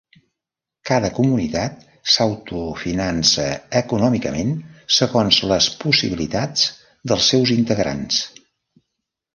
Cada comunitat s'autofinança econòmicament segons les possibilitats dels seus integrants.